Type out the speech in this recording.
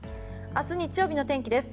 明日日曜日の天気です。